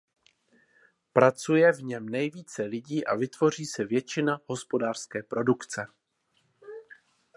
Pracuje v něm nejvíce lidí a vytvoří se většina hospodářské produkce.